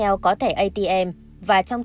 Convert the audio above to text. ngân chỉ có quan hệ yêu đương với một số người